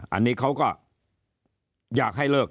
อันนี้เขาก็อยากให้เลิก